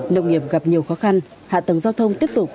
nông nghiệp gặp nhiều khó khăn hạ tầng giao thông tiếp tục